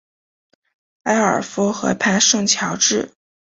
埃尔夫河畔圣乔治。